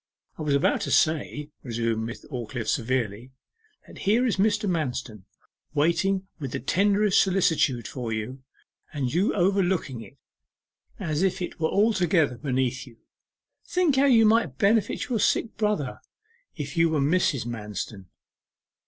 'I was about to say,' resumed Miss Aldclyffe severely, 'that here is Mr. Manston waiting with the tenderest solicitude for you, and you overlooking it, as if it were altogether beneath you. Think how you might benefit your sick brother if you were Mrs. Manston.